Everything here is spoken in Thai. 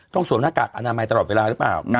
ต้องสวมกากอนามายตลอดเวลาหรือเปล่า